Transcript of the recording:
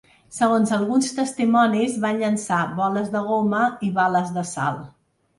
Segons alguns testimonis van llançar boles de goma i bales de sal.